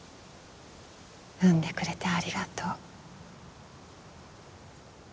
生んでくれてありがとう